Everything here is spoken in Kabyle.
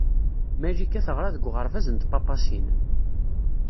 Malika teɣra deg uɣerbaz n Tpapasin.